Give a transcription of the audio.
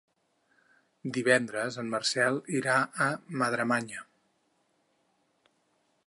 Divendres en Marcel irà a Madremanya.